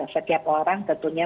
setiap orang tentunya